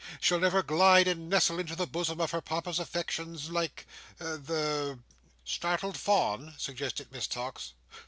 She'll never glide and nestle into the bosom of her Papa's affections like—the—" "Startled fawn?" suggested Miss Tox.